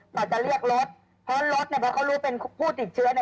เขาจะเรียกรถเพราะรถเนี่ยพอเขารู้เป็นผู้ติดเชื้อเนี่ย